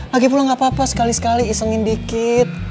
lagipula gak apa apa sekali sekali isengin dikit